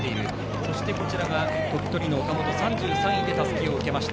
そして鳥取の岡本、３３位でたすきを受けました。